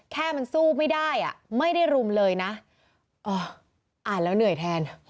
แค่มันสู้ไม่ได้อ่ะไม่ได้รุมเลยนะอ๋ออ่านแล้วเหนื่อยแทน